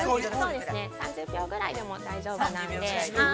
３０秒ぐらいでも大丈夫なんで。